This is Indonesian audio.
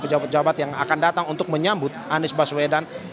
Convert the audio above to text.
pejabat pejabat yang akan datang untuk menyambut anies baswedan